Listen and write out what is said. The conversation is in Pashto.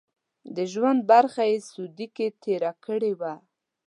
د ژوند برخه یې سعودي کې تېره کړې وه.